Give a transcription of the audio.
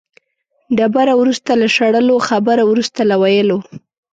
ډبره وروسته له شړلو، خبره وروسته له ویلو.